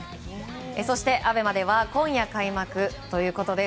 そしてＡＢＥＭＡでは今夜開幕ということで